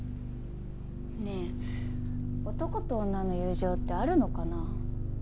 ねえ男と女の友情ってあるのかな？